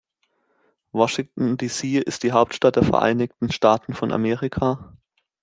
Washington, D.C. ist die Hauptstadt der Vereinigten Staaten von Amerika.